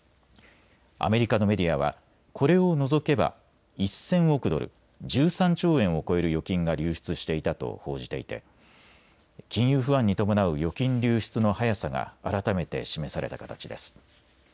アメリカのメディアはこれを除けば１０００億ドル、１３兆円を超える預金が流出していたと報じていて金融不安に伴う預金流出の速さが改めて示された形です。